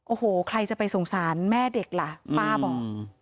โอ้โหใครจะไปสงสารแม่เด็กล่ะป้าบอก